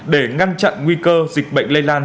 để ngăn chặn nguy cơ dịch bệnh lây lan